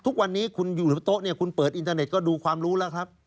ทุกวันนี้คุณอยู่หรือโต๊ะเนี่ยคุณเปิดอินเทอร์เน็ตก็ดูความรู้แล้วครับ